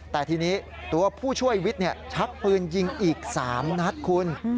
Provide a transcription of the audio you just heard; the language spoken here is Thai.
แต่ทีนี้ตัวผู้ช่วยวิทย์ชักปืนยิงอีก๓นัดคุณ